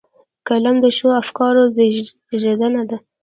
قلم د ښو افکارو زېږنده ده